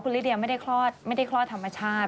คุณลิเดียไม่ได้ครอดธรรมาชาติ